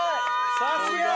さすが！